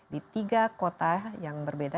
di tiga kota yang berbeda